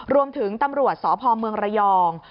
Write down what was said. รวมถึงตำรวจสพเมืองระยอง